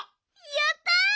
やった！